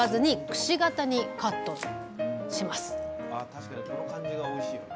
確かにこの感じがおいしいよな。